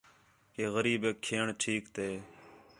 کہ غریبیک کھیݨ ٹھیک تے